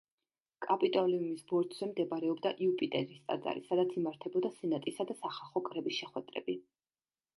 კაპიტოლიუმის ბორცვზე მდებარეობდა იუპიტერის ტაძარი, სადაც იმართებოდა სენატისა და სახალხო კრების შეხვედრები.